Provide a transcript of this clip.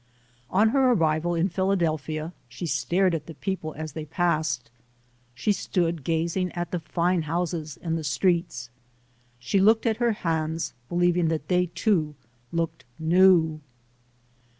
On her arrival in Philadelphia she stared at the people as they passed. She stood gazing at the fine houses and the streets. She looked at her hands, believing that they, too, looked new.